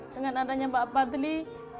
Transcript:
dengan adanya mbak badli